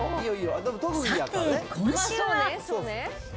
さて、今週は。